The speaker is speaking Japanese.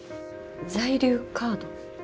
在留カード？